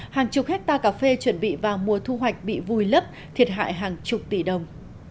hàng chục hectare cà phê chuẩn bị vào mùa thu hoạch bị vùi lấp thiệt hại hàng chục tỷ đồng